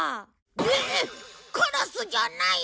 ええっカラスじゃないの！？